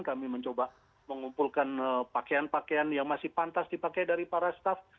kami mencoba mengumpulkan pakaian pakaian yang masih pantas dipakai dari para staff